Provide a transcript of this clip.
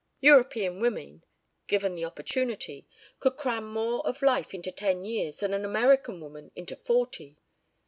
European women, given the opportunity, could cram more of life into ten years than an American woman into forty.